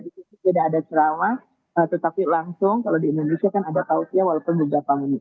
di sini tidak ada jerawah tetapi langsung kalau di indonesia kan ada kaosnya walaupun beberapa